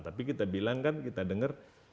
tapi kita bilang kan kita dengar